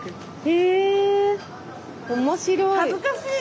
へぇ面白い。